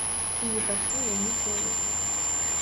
І не пачуе ніколі.